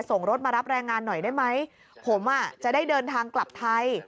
ส่งรถมารับแรงงานหน่อยได้ไหมผมอ่ะจะได้เดินทางกลับไทย